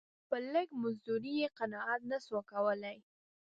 په لږ مزدوري یې قناعت نه سو کولای.